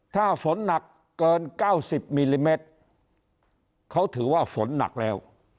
ถ้าฝนหนักเกิน๙๐มิลลิเมตรเขาถือว่าฝนหนักแล้ว